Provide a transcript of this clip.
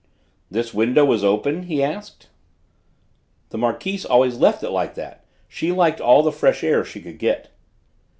"This window was open?" he asked. "The Marquise always left it like that; she liked all the fresh air she could get."